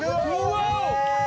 ワオ！